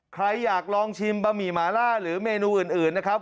ใครอยากลองชิมบะหมี่หมาล่าหรือเมนูอื่นนะครับ